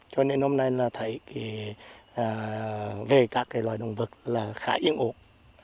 cho nên hôm nay là thấy về các loài động vật là khá yên ổn